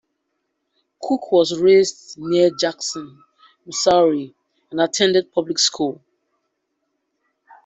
Cook was raised near Jackson, Missouri, and attended public schools.